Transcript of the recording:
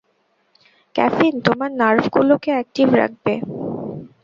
Caffeine তোমার নার্ভগুলোকে active রাখবে।